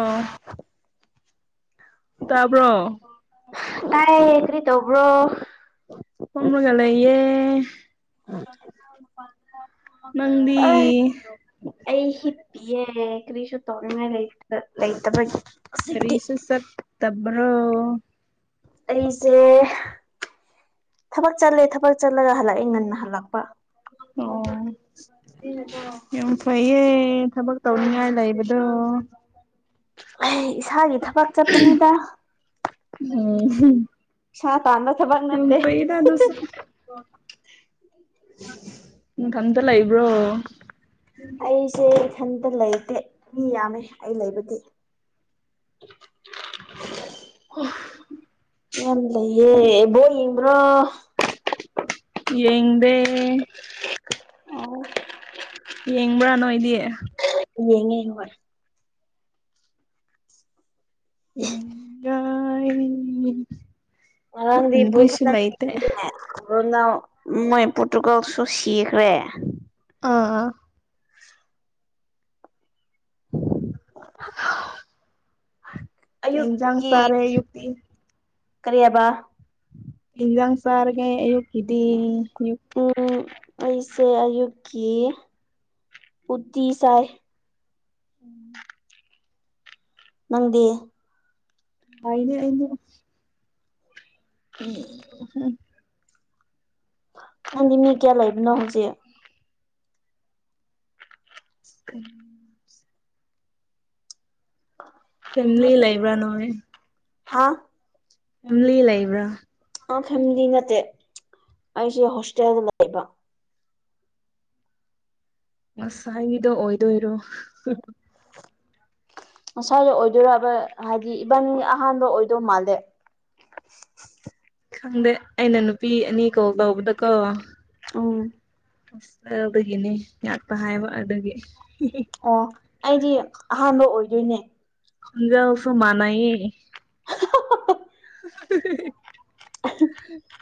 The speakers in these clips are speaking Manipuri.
ꯑꯣ ꯇꯥꯕ꯭ꯔꯣ ꯇꯥꯏ ꯑꯩ꯭ꯔꯤ ꯇꯣꯕ꯭ꯔꯣ ꯀꯝꯕꯒ ꯂꯩꯌꯦꯦ ꯃꯪꯗꯤ ꯑ ꯑꯩ ꯍꯤꯄꯤꯤꯌꯦꯦ ꯀꯔꯤꯁꯨ ꯇꯧꯅꯤꯡꯉꯥꯏꯇ ꯂꯩꯇꯕꯒꯤ ꯍꯧꯖꯤꯛꯇꯤ ꯀꯔꯤꯁ ꯁꯛ ꯇꯕ꯭ꯔꯣ ꯑꯩꯁꯦ ꯊꯕꯛ ꯆꯠꯂꯦ ꯊꯕꯛ ꯆꯠꯂꯒ ꯍꯜꯂꯛꯑꯦ ꯉꯟꯅ ꯍꯜꯂꯛꯄ ꯑꯣ ꯌꯥꯝ ꯐꯩꯌꯦ ꯊꯕꯛ ꯇꯧꯅꯤꯡꯉꯥꯏ ꯂꯩꯕꯗꯣ ꯑꯩ ꯏꯁꯥꯒꯤ ꯊꯕꯛ ꯆꯠꯄꯅꯤꯗ ꯏꯁꯥ ꯇꯥꯟꯕ ꯊꯕꯛ ꯎꯝ ꯅꯠꯇꯦ ꯀ ꯄꯩꯔꯗꯁꯔ ꯏꯊꯝꯇ ꯂꯩꯕ꯭ꯔꯣ ꯑꯩꯁꯦ ꯏꯊꯟꯇ ꯂꯩꯇꯦ ꯃꯤ ꯌꯥꯝꯃꯦ ꯑꯩ ꯂꯩꯕꯗꯤ ꯑꯣꯐ ꯌꯦꯟ ꯂꯩꯌꯦꯦ ꯕꯣꯕ꯭ꯔꯣ ꯌꯦꯗꯦ ꯑꯣ ꯌꯦꯡꯕ꯭ꯔꯥꯅꯣ ꯏꯗꯤꯦ ꯌꯦꯡꯉꯦ ꯍꯣꯏ ꯏ ꯑꯥꯡꯗꯤ ꯄ ꯈꯦ ꯀꯣꯅꯥ ꯃꯣꯏ ꯄꯣꯔꯇꯨꯒꯥꯜꯁꯨ ꯁꯤꯈ꯭ꯔꯦ ꯑꯥ ꯀꯖꯥꯡ ꯑꯌꯨꯛꯀꯤ ꯁꯔꯦ ꯌꯨꯛꯇꯤ ꯀꯔꯤ ꯍꯥꯏꯕ ꯏꯟꯖꯥꯡ ꯁꯥꯔꯒꯦ ꯑꯌꯨꯛꯀꯤꯗꯤ ꯑꯌꯨꯛ ꯎꯝ ꯑꯩꯁꯦ ꯑꯌꯨꯛꯀꯤ ꯎꯇꯤ ꯁꯥꯏ ꯅꯪꯗꯤ ꯗꯤ ꯎꯝ ꯅꯪꯗꯤ ꯃꯤ ꯀꯌꯥ ꯂꯩꯕꯅꯣ ꯍꯧꯖꯤꯛ ꯀꯝ ꯐꯦ ꯂꯥꯏꯕ꯭ꯔ ꯅꯣꯏ ꯍꯥꯥ ꯑꯂꯤ ꯂꯩꯕ꯭ꯔꯥ ꯑ ꯍꯝꯗꯅꯠꯇꯦ ꯑꯁꯤꯦ ꯍꯁꯦ ꯂꯩꯕ ꯉꯁꯥꯏꯒꯤꯗꯣ ꯑꯣꯏꯗꯣꯏꯔꯣ ꯉꯁꯋꯥꯏꯗ ꯑꯣꯏꯗꯣꯏꯔꯕ ꯍꯥꯏꯗꯤ ꯏꯕꯥꯟ ꯑꯍꯥꯟꯕ ꯑꯣꯏꯗꯧ ꯃꯥꯜꯂꯦ ꯈꯪꯗꯦ ꯑꯩꯅ ꯅꯨꯄꯤ ꯑꯅꯤ ꯀꯣꯜ ꯇꯧꯕꯗꯀꯣ ꯎ ꯑꯁ ꯑꯗꯨꯗꯒꯤꯅꯦ ꯉꯠꯄ ꯍꯥꯏꯕ ꯑꯗꯨꯒꯤ ꯑꯣ ꯑꯩꯗꯤ ꯑꯍꯥꯟꯕ ꯑꯣꯏꯗꯣꯏꯅꯦ ꯖꯁꯨꯣ ꯃꯥꯅꯥꯌꯦ [inaudible]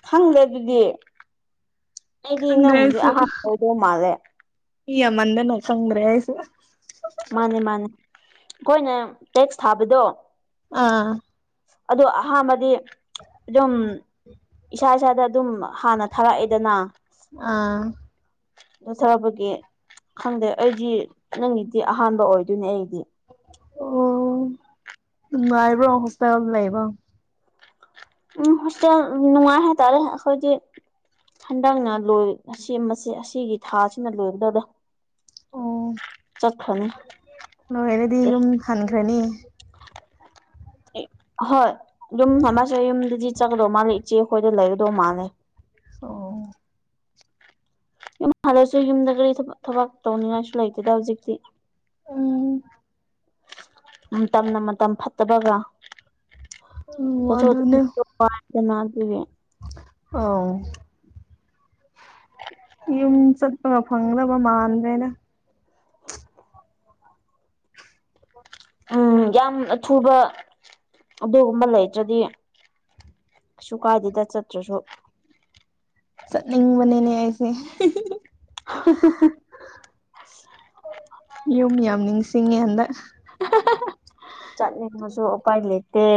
ꯈꯪꯗꯦ ꯑꯗꯨꯗꯤ ꯑꯩꯗꯤ ꯈꯪꯗ꯭ꯔꯦ ꯅꯪꯕꯨꯗꯤ ꯑꯍꯥꯟꯕ ꯑꯣꯏꯗꯧ ꯃꯥꯜꯂꯦ ꯏ ꯃꯗꯦ ꯅ ꯈꯪ꯭ꯔꯦꯁ ꯃꯥꯅꯦ ꯃꯥꯅꯦ ꯑꯈꯣꯏꯅ ꯇꯦꯛꯁ ꯊꯥꯕꯗꯣ ꯑꯥ ꯑꯗꯣ ꯑꯍꯥꯟꯕꯗꯤ ꯑꯗꯨꯝ ꯏꯁꯥ ꯏꯁꯥꯗ ꯑꯗꯨꯝ ꯍꯥꯟꯅ ꯊꯥꯔꯛꯑꯦꯗꯅ ꯑꯥ ꯗꯣ ꯁꯔꯕꯒꯤ ꯈꯪꯗꯦ ꯑꯩꯗꯤ ꯅꯪꯒꯤꯗꯤ ꯑꯍꯥꯟꯕ ꯑꯣꯏꯗꯣꯏꯅꯦ ꯑꯩꯗꯤ ꯑꯣ ꯉꯥꯏꯕ꯭ꯔꯣ ꯍꯣꯁꯄꯤꯇꯥꯜ ꯂꯩꯕ ꯎꯝ ꯍꯣꯁꯇꯦꯜ ꯅꯨꯡꯉꯥꯏ ꯍꯥꯏꯇꯥꯔꯦ ꯑꯈꯣꯏꯗꯤ ꯍꯟꯗꯛꯅ ꯂꯣꯏ ꯑꯁꯤꯒꯤ ꯊꯥꯁꯤꯅ ꯂꯣꯏꯒꯗꯗ ꯑꯣ ꯅꯣꯏꯅꯗꯤ ꯌꯨꯝ ꯍꯟꯈ꯭ꯔꯅꯤ ꯍꯣꯏ ꯑꯗꯨꯝ ꯃꯃꯥꯁꯦ ꯌꯨꯝꯗꯗꯤ ꯆꯠꯀꯗꯧ ꯃꯥꯜꯂꯦ ꯏꯆꯦ ꯑꯩꯈꯣꯏꯗ ꯂꯩꯒꯗꯧ ꯃꯥꯜꯂꯦ ꯑꯣ ꯌꯨꯝ ꯍꯜꯂꯁꯨ ꯌꯨꯝꯗ ꯀꯔꯤ ꯊꯕꯛ ꯇꯧꯅꯤꯡꯉꯥꯏꯁꯨ ꯂꯩꯇꯦꯗ ꯍꯧꯖꯤꯛꯇꯤ ꯎꯝ ꯃꯇꯝꯅ ꯃꯇꯝ ꯐꯠꯇꯕꯒ ꯎꯝ ꯆꯦ ꯑ ꯌꯨꯝ ꯆꯠꯄꯒ ꯐꯪꯗꯕ ꯃꯥꯟꯗ꯭ꯔꯦꯅ ꯎꯝ ꯌꯥꯝ ꯑꯊꯨꯕ ꯑꯗꯨꯒꯨꯝꯕ ꯂꯩꯇ꯭ꯔꯗꯤ ꯀꯩꯁꯨ ꯀꯥꯏꯗꯦꯗ ꯆꯠꯇ꯭ꯔꯁꯨ ꯁꯠꯅꯤꯡ ꯃꯅꯦꯅꯦꯁꯦ [unintelligible] ꯌꯨꯝ ꯌꯥꯝ ꯅꯤꯡꯁꯤꯡꯉꯦ ꯍꯟꯗꯛ ꯆꯠꯅꯤꯡꯉꯁꯨ ꯎꯄꯥꯏ ꯂꯩꯇꯦ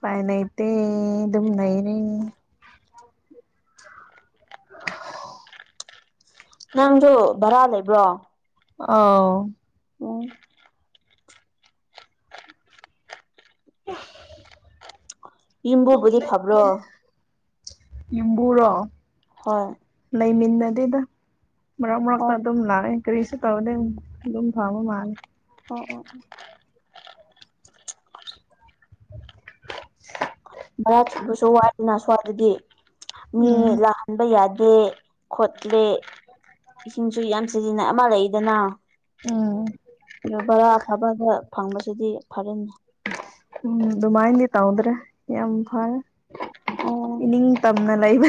ꯄꯥꯏ ꯅꯠꯇ ꯑꯗꯨꯝ ꯅꯔꯤ ꯅꯪꯗꯣ ꯚꯔꯥ ꯂꯩꯕ꯭ꯔꯣ ꯑꯣ ꯑꯣ [unintelligible] ꯌꯨꯝꯕꯨꯗꯤ ꯐꯕ꯭ꯔꯣ ꯏꯝꯕꯔꯣ ꯍꯣꯏ ꯂꯩꯃꯤꯟꯅꯗꯗ ꯃꯔꯛ ꯑꯣ ꯃꯔꯛꯇ ꯑꯗꯨꯝ ꯂꯥꯛꯑꯏꯅꯤ ꯀꯔꯤꯁꯨ ꯇꯧꯔꯗ ꯑꯗꯨꯨꯝ ꯐꯕ ꯃꯥꯜꯂꯦ ꯑꯣ ꯑꯣ ꯑꯣ ꯃꯔꯚꯥ ꯊꯤꯕꯁꯨ ꯋꯥꯏꯗꯅ ꯁ꯭ꯋꯥꯏꯗꯗꯤ ꯃꯤ ꯎꯝ ꯂ ꯈꯟꯕ ꯌꯥꯗꯦ ꯈꯣꯠꯂꯦ ꯏꯁꯤꯡꯁꯨ ꯌꯥꯝ ꯁꯤꯖꯤꯟꯅ ꯑꯃ ꯂꯩꯏꯗꯅ ꯎꯝ ꯑ ꯕꯔꯥ ꯑꯐꯕꯗ ꯐꯪꯕꯁꯤꯗꯤ ꯐꯔꯅꯤ ꯎꯝ ꯑꯗꯨꯃꯥꯏꯅꯗꯤ ꯇꯧꯗ꯭ꯔꯦ ꯌꯥꯝ ꯐꯔꯦ ꯑꯣ ꯏꯅꯤꯡ ꯅ ꯂꯩꯕ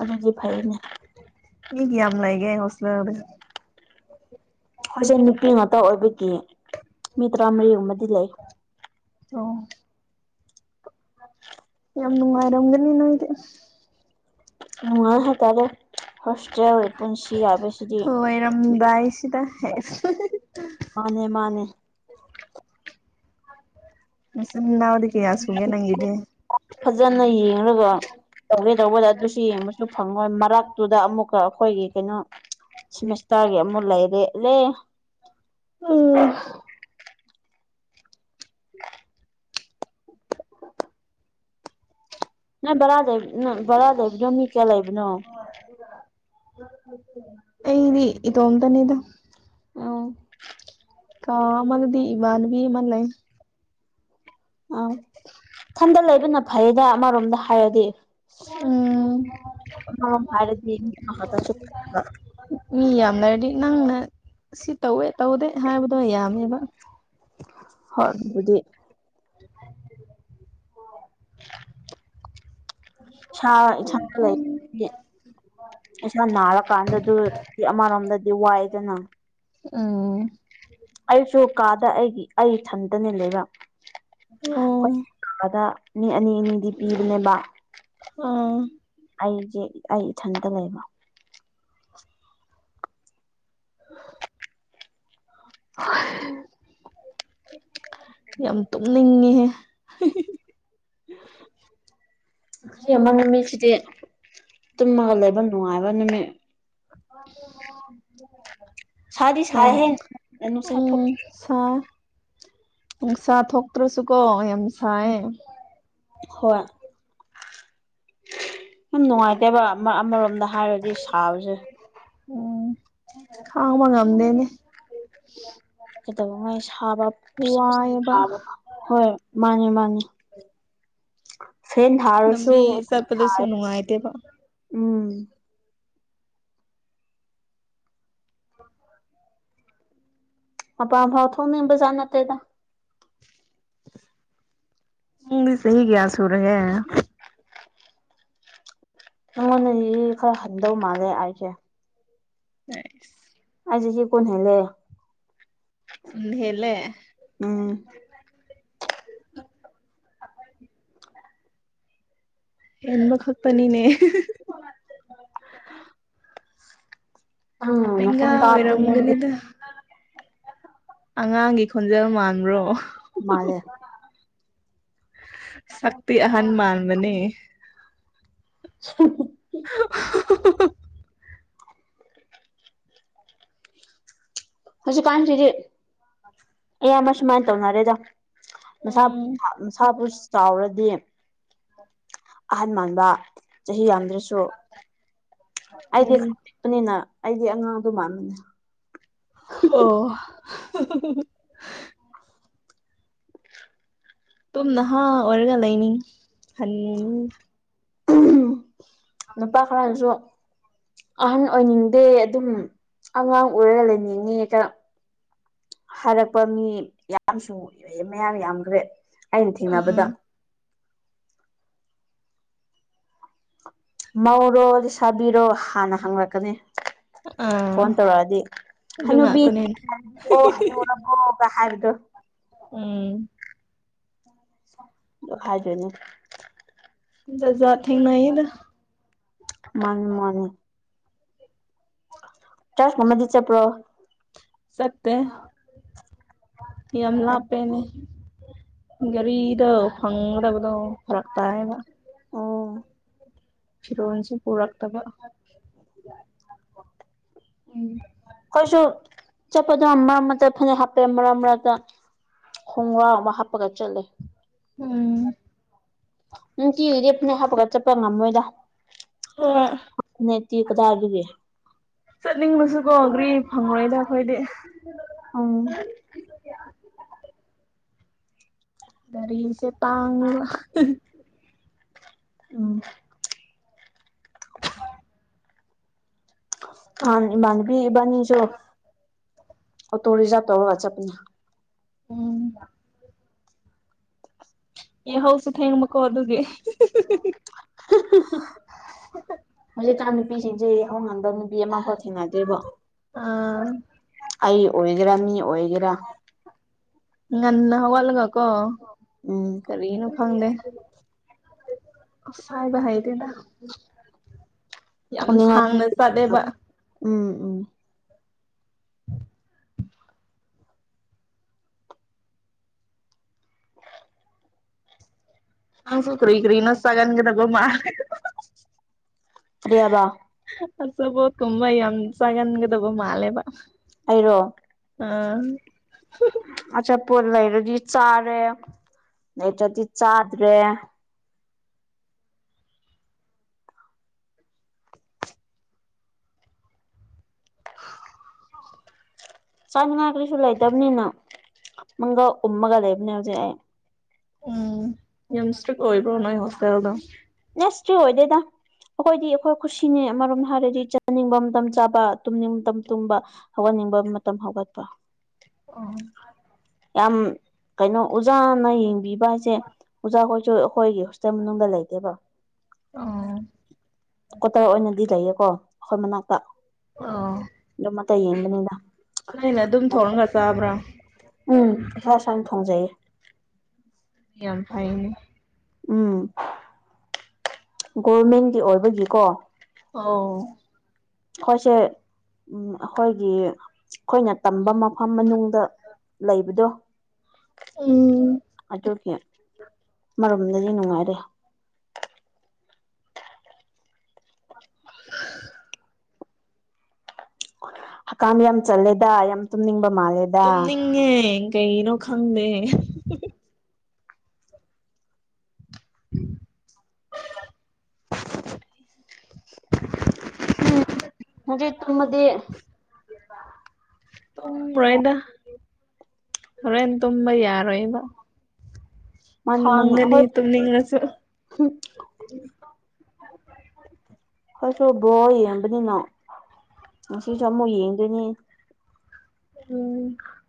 ꯑꯗꯨꯗꯤ ꯐꯩꯅꯦ ꯍꯒꯌꯥꯝꯂꯥꯏꯒ ꯍꯁꯂ ꯍꯧꯁꯦ ꯅꯨꯄꯤ ꯉꯥꯛꯇ ꯑꯣꯏꯕꯒꯤ ꯃꯤ ꯇꯔꯥꯃꯔꯤꯒꯨꯝꯕꯗꯤ ꯂꯩ ꯑꯣ ꯌꯥꯝ ꯅꯨꯡꯉꯥꯏꯔꯝꯒꯅꯤ ꯅꯪꯗꯤ ꯅꯨꯡꯉꯥꯏ ꯍꯥꯏꯇꯥꯔꯦ ꯍꯣꯁꯇꯦꯜ ꯄꯨꯟꯁꯤ ꯍꯥꯏꯕꯁꯤꯗꯤ ꯌꯥꯔꯝꯗꯥꯏꯁꯤꯗ ꯃꯥꯅꯦ ꯃꯥꯅꯦ ꯁꯎꯗꯛ ꯌꯥ ꯁꯨꯒꯦ ꯅꯪꯗꯦ ꯐꯖꯅ ꯌꯦꯡꯉꯒ ꯇꯧꯒꯦ ꯇꯧꯕꯗ ꯑꯗꯨꯁꯨ ꯌꯦꯡꯕꯁꯨ ꯐꯪꯉꯣꯏ ꯃꯔꯛꯇꯨꯗ ꯑꯃꯨꯛ ꯑꯩꯈꯣꯏꯒꯤ ꯀꯩꯅꯣ ꯁꯤꯦꯃꯦꯁꯇꯔꯒꯤ ꯑꯃꯨꯛ ꯂꯩꯔꯦꯂꯦ ꯎꯝ ꯅꯪ ꯕꯔꯥꯗ ꯅ ꯕꯔꯥ ꯂꯩꯕꯅꯣ ꯃꯤ ꯀꯌꯥ ꯂꯩꯕꯅꯣ ꯑꯩꯗꯤ ꯏ ꯇꯣꯝꯗꯅꯤꯗ ꯑꯣ ꯀꯥ ꯃꯥꯅꯗꯤ ꯏꯃꯥꯟꯕꯤ ꯃꯜ ꯂꯩ ꯁꯟꯗ ꯂꯩꯕꯅ ꯐꯩꯗ ꯑꯃꯔꯣꯝꯗ ꯍꯥꯏꯔꯗꯤ ꯎꯝ ꯑ ꯍꯥꯏꯔꯗꯤ ꯃꯍꯗ ꯆꯄ ꯃꯤ ꯌꯥꯝꯅꯔꯗꯤ ꯅꯪꯅ ꯁꯤ ꯇꯧꯋꯦ ꯇꯧꯗꯦ ꯍꯥꯏꯕꯗꯣ ꯌꯥꯝꯃꯦꯕ ꯍꯣꯢ ꯕꯨꯗꯤ ꯁꯥ ꯏꯟꯖꯥꯡ ꯂꯩ ꯏꯁꯥ ꯅꯥꯔꯀꯥꯟꯗ ꯑꯗꯨꯗꯤ ꯑꯃꯔꯣꯝꯗꯗꯤ ꯋꯥꯏꯗꯅ ꯎꯝ ꯑꯩꯁꯨ ꯀꯥꯗ ꯑꯩꯒꯤ ꯑꯩ ꯏꯊꯟꯗꯅꯦ ꯂꯩꯕ ꯑꯣ ꯣꯏꯗ ꯃꯤ ꯑꯅꯤ ꯑꯅꯤꯗꯤ ꯄꯤꯕꯅꯦꯕ ꯎꯝ ꯑꯩꯁꯦ ꯑꯩ ꯏꯊꯟꯇ ꯂꯩꯕ [inaudible] ꯌꯥꯝ ꯇꯨꯝꯅꯤꯡꯉꯦꯍꯦ ꯆꯍꯤ ꯑꯃ ꯅꯨꯃꯤꯠꯁꯤꯗꯤ ꯇꯨꯝꯃꯒ ꯂꯩꯕ ꯅꯨꯡꯉꯥꯏꯕ ꯅꯨꯃꯤꯠ ꯁꯥꯗꯤ ꯑ ꯁꯥꯏꯍꯦ ꯅꯨꯡꯁꯥ ꯊꯣꯛ ꯎꯝ ꯁꯥ ꯅꯨꯡꯁꯥ ꯊꯣꯛꯇ꯭ꯔꯁꯨꯀꯣ ꯌꯥꯝ ꯁꯥꯏ ꯍ ꯌꯥꯝ ꯅꯨꯡꯉꯥꯏꯇꯦꯕ ꯑꯃ ꯑꯃꯔꯣꯝꯗ ꯍꯥꯏꯔꯗꯤ ꯁꯥꯕꯁꯦ ꯎꯝ ꯈꯥꯥꯡꯕ ꯉꯝꯗꯦꯅꯦ ꯀꯩꯗꯧꯕꯉꯥꯏ ꯁꯥꯕ ꯋꯥꯏꯌꯦꯕ ꯁꯥꯕ ꯍꯣꯏ ꯃꯥꯅꯤ ꯃꯥꯅꯤ ꯐꯦꯟ ꯊꯥꯔꯁꯨ ꯂꯝꯕꯤ ꯆꯠꯄꯗꯁꯨ ꯅꯨꯡꯉꯥꯏꯇꯦꯕ ꯊꯦ ꯎꯝ ꯑꯄꯥ ꯐꯥꯎ ꯊꯣꯅ ꯏꯕ ꯆꯥꯟꯠꯇꯇꯩꯗ ꯎ ꯁ ꯀ꯭ꯌꯥꯁꯨ ꯑꯣꯏꯔꯦ ꯑꯩꯉꯣꯟꯗꯗꯤ ꯈꯔ ꯍꯟꯗꯧ ꯃꯥꯜꯂꯦ ꯑꯩꯁꯦ ꯎ ꯑꯖꯤꯁꯤ ꯀꯣꯟ ꯍꯥꯏꯂ ꯎ ꯍꯦꯂꯦ ꯎꯝ ꯍꯟꯕ ꯈꯛꯄꯅꯤꯅꯦ ꯅꯪ ꯍꯉ ꯅꯈꯣꯟ ꯑꯣꯏꯔ ꯇꯥꯕꯗ ꯅꯪꯗꯤ ꯎꯒꯅꯤꯗ ꯑꯉꯥꯡꯒꯤ ꯈꯣꯟꯖꯦꯜ ꯃꯥꯟꯕ꯭ꯔꯣ ꯃꯥꯂꯦ ꯁꯛꯇꯤ ꯑꯍꯟ ꯃꯥꯟꯕꯅꯦ [unintelligible] [unintelligible] ꯍꯧꯖꯤꯛ ꯀꯥꯟꯁꯤꯗꯤ ꯑꯦ ꯑꯃ ꯁꯃꯥꯏꯅ ꯇꯧꯅꯔꯦꯗ ꯁꯥ ꯎꯝ ꯃꯁꯥꯕꯨꯁꯨ ꯆꯥꯎꯔꯗꯤ ꯍ ꯑꯍꯟ ꯃꯥꯟꯕ ꯆꯍꯤ ꯌꯥꯝꯡꯗ꯭ꯔꯁꯨ ꯑꯩꯗꯤ ꯎꯝ ꯅꯤꯅ ꯑꯩꯗꯤ ꯑꯉꯥꯡꯗꯣ ꯃꯥꯟꯕꯥꯟꯕꯅꯦ ꯑꯣ ꯇꯨꯝ ꯅꯍꯥ ꯑꯣꯏꯔꯒ ꯂꯩꯅꯤ ꯍꯟ ꯅꯨꯄꯥ ꯈꯔꯅꯁꯨ ꯑꯍꯟ ꯑꯣꯏꯅꯤꯡꯗꯦ ꯑꯗꯨꯝ ꯑꯉꯥꯡ ꯑꯣꯏꯔꯒ ꯂꯩꯅꯤꯡꯉꯦ ꯍꯥꯏꯔꯛꯄ ꯃꯤ ꯌꯥꯝꯁꯨ ꯃꯌꯥꯝ ꯌꯥꯝꯈ꯭ꯔꯦ ꯑꯩꯅ ꯊꯦꯡꯅꯕꯗ ꯑꯥ ꯃꯧꯔꯣ ꯂꯩ ꯁꯥꯥꯕꯤꯔꯣ ꯍꯥꯟꯅ ꯍꯪꯂꯪꯂꯛꯀꯅꯤ ꯑꯥ ꯐꯣꯟ ꯇꯧꯔꯛꯑꯗꯤ ꯑꯗꯨ ꯍꯅꯨꯕꯤꯅꯦ ꯉꯥꯛꯇꯅꯦ ꯑꯣ ꯍꯅꯔꯕꯣꯒ ꯍꯥꯏꯕꯗꯨꯣ ꯎꯝ ꯍꯥꯏꯖꯣꯏꯅꯦ ꯖꯖ ꯊꯦꯡꯅꯗ ꯃꯥꯅꯤ ꯃꯥꯅꯤ ꯆꯔꯁ ꯃꯃꯗꯤ ꯆꯦꯄ꯭ꯔꯣ ꯁꯛꯇꯦ ꯌꯂ ꯄꯦꯅꯦ ꯒꯥꯔꯤꯗ ꯐꯪꯗꯕꯗꯣ ꯐꯔꯛ ꯇꯥꯔꯦꯕ ꯑꯥ ꯐꯤꯔꯣꯟꯜꯁꯨ ꯄꯨꯔꯛꯇꯕ ꯎꯝ ꯑꯩꯈꯣꯏꯁꯨ ꯆꯠꯄꯗ ꯃꯔꯛ ꯃꯔ ꯐꯅꯦꯛ ꯍꯥꯞꯄꯦ ꯃꯔꯛ ꯃꯔꯛꯇ ꯈꯣꯡꯒ꯭ꯔꯥꯎ ꯑꯃ ꯍꯥꯞꯄꯒ ꯆꯠꯂꯦ ꯎꯝ ꯅꯨꯡꯇꯤꯗꯨꯗꯤ ꯐꯅꯦꯛ ꯍꯥꯞꯄꯒ ꯆꯠꯄ ꯉꯝꯃꯣꯏꯗ ꯑꯣ ꯅꯇ ꯀ ꯊꯒꯤꯕꯤ ꯆꯠꯅꯤꯡꯂꯨꯁꯨꯀꯣ ꯒ꯭ꯔꯤ ꯐꯪꯉꯣꯏꯗ ꯑꯩꯈꯣꯏꯗꯤ ꯑꯣ ꯒꯥꯔꯤꯁꯦ ꯇꯥꯡꯕ ꯎꯝ ꯍꯥꯟ ꯏꯃꯥꯟꯅꯕꯤ ꯏꯕꯥꯅꯤꯁꯨ ꯑꯣꯇꯣ ꯔꯤꯖꯥꯕ ꯇꯧꯔꯒ ꯆꯠꯄꯅꯦ ꯎꯝ ꯌꯥꯍꯧꯁꯨ ꯊꯦꯡꯕ ꯑꯗꯨꯒꯤ [inaudible] ꯍꯧꯖꯤꯛꯀꯥꯟ ꯅꯨꯄꯤꯁꯤꯡꯁꯦ ꯍꯧ ꯉꯪꯗꯕ ꯅꯨꯄꯤ ꯑꯃꯐꯥꯎ ꯊꯦꯡꯅꯗ꯭ꯦꯔꯤꯕꯣ ꯑ ꯑꯩ ꯑꯣꯏꯒꯦꯔꯥ ꯃꯤ ꯑꯣꯏꯒꯦꯔꯥ ꯉꯟꯅ ꯋꯥꯜꯒ ꯀꯣ ꯎꯝ ꯇꯔ ꯌꯦꯅ ꯐꯪꯗꯦ ꯐꯥꯏꯕ ꯍꯥꯏꯗꯗ ꯌꯥꯝ ꯊꯣꯛꯅꯤꯡꯉꯥꯏ ꯁꯥꯡꯅ ꯆꯥꯂꯦꯕ ꯎꯝ ꯎꯝ ꯅꯪꯁꯨ ꯀꯔꯤ ꯀꯔꯤꯅꯣ ꯆꯥꯒꯟꯒꯗꯕ ꯃꯥꯂꯦ ꯐ꯭ꯔꯤꯌꯥꯕꯕꯥ ꯑ ꯁꯕꯣ ꯇꯨꯝꯝꯕ ꯏꯟ ꯁꯒꯟꯒꯗꯕꯣ ꯃꯥꯂꯦꯕ ꯑꯩꯔꯣ ꯑꯥ ꯑꯆꯥ ꯄꯣꯠ ꯂꯩꯔꯗꯤ ꯆꯥꯔꯦ ꯂꯩꯇ꯭ꯔꯗꯤ ꯆꯥꯗ꯭ꯔꯦ [unintelligible] ꯆꯥꯅꯤꯉꯥꯏ ꯀꯔꯤꯁꯨ ꯂꯩꯇꯕꯅꯤꯅ ꯃꯪꯒ ꯎꯨꯝꯃꯒ ꯂꯩꯕꯅꯦ ꯍꯧꯖꯤꯛ ꯑꯩ ꯎꯝ ꯌꯥꯝꯦꯝꯁꯇ ꯀ ꯑꯣꯏꯕ꯭ꯔꯣ ꯅꯣꯏ ꯍꯣꯁꯇꯦꯜꯗ ꯅꯁ ꯑꯣꯏꯣꯏꯗꯦꯗ ꯑꯩꯈꯣꯏꯗꯤ ꯑꯩꯈꯣꯏ ꯈꯨꯁꯤꯅꯦ ꯑꯃꯔꯣꯝꯗ ꯍꯥꯏꯔꯗꯤ ꯆꯥꯅꯤꯡꯕ ꯃꯇꯝ ꯆꯥꯕ ꯇꯨꯝꯅꯤꯡ ꯃꯇꯝ ꯇꯨꯡꯕ ꯍꯧꯒꯠꯅꯤꯡꯕ ꯃꯇꯝ ꯍꯧꯒꯠꯄ [unintelligible] ꯌꯥꯝ ꯀꯩꯅꯣ ꯑꯣꯖꯥꯅ ꯌꯦꯡꯕꯤꯕ ꯍꯥꯏꯁꯦ ꯑꯣꯖꯥꯈꯣꯏꯁꯨ ꯑꯈꯣꯏꯒꯤ ꯍꯣꯁꯇꯦꯜ ꯃꯅꯨꯡꯗ ꯂꯩꯇꯦꯕ ꯑꯣ ꯀꯣꯇꯔ ꯑꯣꯏꯅꯗꯤ ꯂꯩꯌꯦꯀꯣ ꯑꯈꯣꯏ ꯃꯅꯥꯛꯇ ꯑꯗꯨꯝ ꯑꯇꯩ ꯌꯦꯡꯕꯅꯤꯗ ꯅ ꯑꯩꯅ ꯑꯗꯨꯝ ꯊꯧꯝꯒ ꯆꯥꯕ꯭ꯔꯥ ꯎꯝ ꯏꯁꯥ ꯏꯁꯥꯅ ꯊꯣꯡꯖꯩꯌꯦ ꯌꯥꯝ ꯌꯥꯝꯅ ꯐꯥꯏꯅꯦ ꯎꯝ ꯒꯣꯔꯃꯦꯟꯒꯤ ꯑꯣꯏꯕꯒꯤꯀꯣ ꯑꯣ ꯑꯩꯈꯣꯏꯁꯦ ꯎ ꯑꯩꯈꯣꯏꯒꯤ ꯑꯩꯈꯣꯏꯅ ꯇꯝꯕ ꯃꯐꯝ ꯃꯅꯨꯡꯗ ꯂꯩꯕꯗꯣ ꯑꯣꯝ ꯑꯗꯨꯒꯤ ꯃꯔꯣꯝꯗꯗꯤ ꯅꯨꯡꯉꯥꯏꯔꯦ ꯍꯀꯥꯝ ꯌꯥꯝ ꯆꯜꯂꯦꯗ ꯌꯥꯝ ꯇꯨꯝꯅꯤꯡꯕ ꯃꯥꯜꯂꯦꯗ ꯇꯨꯝꯅꯤꯡꯉꯦ ꯀꯩꯅꯣ ꯈꯪꯗꯦ [unintelligible] ꯅꯗꯦ ꯇ ꯃꯗꯤ ꯇꯨꯝꯒꯔꯦꯗ ꯍꯣꯔꯦꯟ ꯇꯨꯝꯕ ꯌꯥꯔꯣꯏꯗ ꯃꯥꯅꯤ ꯃꯥꯅꯦ ꯍꯣꯏ ꯇꯨꯝꯅꯤꯡꯔꯁꯨ ꯀꯣꯏꯁꯨ ꯕꯣ ꯌꯦꯡꯕꯅꯤꯅꯣ ꯉꯁꯤꯁꯨ ꯑꯃꯨꯛ ꯌꯦꯡꯗꯣꯏꯅꯤ [unintelligible]